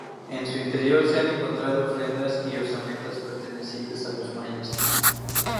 En su interior se han encontrado ofrendas y osamentas pertenecientes a los mayas.